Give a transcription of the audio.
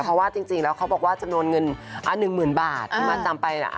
เพราะว่าจริงแล้วเขาบอกว่าจำนวนเงิน๑๐๐๐บาทที่มัดจำไป